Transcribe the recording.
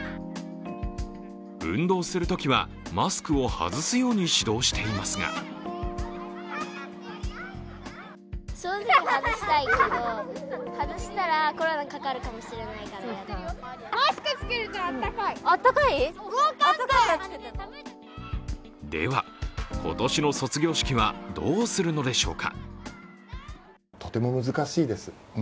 運動するときマスクを外すように指導していますがでは、今年の卒業式はどうするのでしょうか。